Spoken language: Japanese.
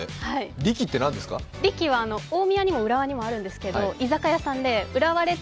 リキって大宮にも浦和にもあるんですけど、居酒屋さんで浦和レッズ